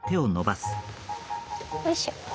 おいしょ。